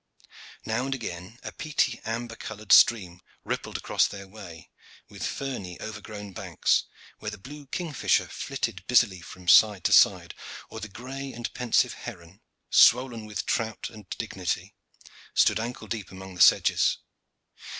Now and again a peaty amber colored stream rippled across their way, with ferny over grown banks, where the blue kingfisher flitted busily from side to side, or the gray and pensive heron, swollen with trout and dignity, stood ankle deep among the sedges.